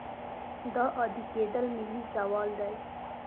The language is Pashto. دا عادي کېدل ملي زوال دی.